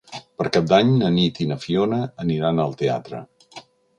Per Cap d'Any na Nit i na Fiona aniran al teatre.